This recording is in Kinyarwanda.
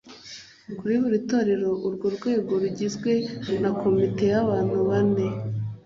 kuri buri torero urwo rwego rugizwe na komite yabantu bane.